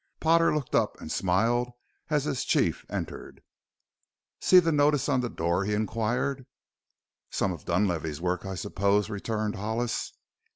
Potter looked up and smiled as his chief entered. "See the notice on the door?" he inquired. "Some of Dunlavey's work, I suppose," returned Hollis.